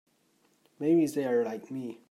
Maybe they're like me.